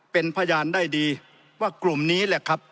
เป็นพยานได้ดีว่ากลุ่มนี้แหละครับ